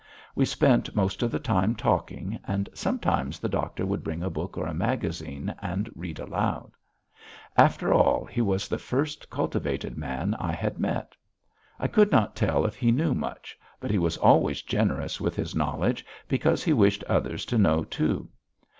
We spent most of the time talking, and sometimes the doctor would bring a book or a magazine and read aloud. After all, he was the first cultivated man I had met. I could not tell if he knew much, but he was always generous with his knowledge because he wished others to know too.